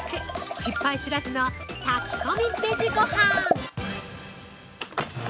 失敗知らずの炊き込みベジごはん！